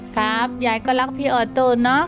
ครับยายก็รักพี่ออโตเนอะ